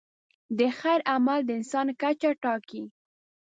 د خیر عمل د انسان کچه ټاکي.